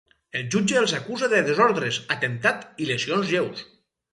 El jutge els acusa de desordres, atemptat i lesions lleus.